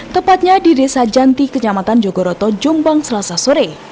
tepatnya di desa janti kenyamatan jogoroto jombang selasa sore